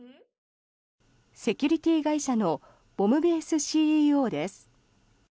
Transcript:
セキュリティー会社のボムベースＣＥＯです。